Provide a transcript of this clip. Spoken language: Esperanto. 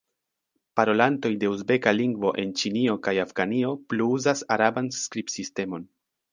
Parolantoj de uzbeka lingvo en Ĉinio kaj Afganio plu uzas araban skribsistemon.